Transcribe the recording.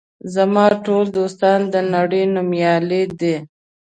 زما ټول دوستان د نړۍ نومیالي دي.